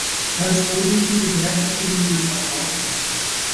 Falsch-positive Werte findet man bei Rauchern.